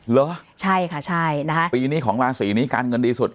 เหรอใช่ค่ะใช่นะคะปีนี้ของราศีนี้การเงินดีสุด